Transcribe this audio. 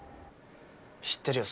知ってるよ